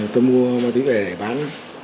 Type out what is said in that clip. tôi mua ma túy về để bán